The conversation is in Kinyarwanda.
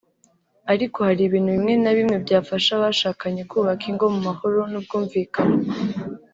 ariko hari ibintu bimwe na bimwe byafasha abashakanye kubaka ingo mu mahoro n’ubwimvikane